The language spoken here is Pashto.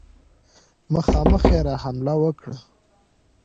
مخامخ یې را حمله وکړه.